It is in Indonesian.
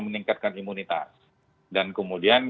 meningkatkan imunitas dan kemudian